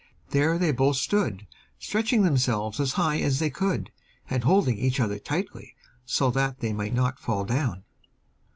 There they both stood, stretching themselves as high as they could, and holding each other tightly, so that they might not fall down.